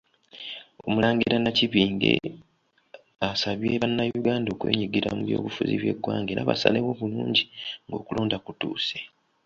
Omulangira Nakibinge asabye bannayuganda okwenyigira mu by’obufuzi by’eggwanga era basalewo bulungi ng'okulonda kutuuse.